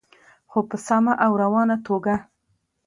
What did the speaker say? خو په سمه او روانه توګه.